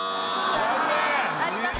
残念！